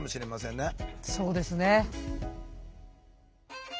そうですね。